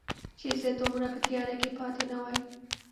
چې زه دومره په تیاره کې پاتې نه وای